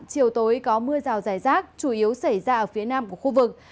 chiều tối có mưa rào rải rác chủ yếu xảy ra ở phía nam của khu vực